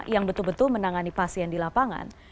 yang betul betul menangani pasien di lapangan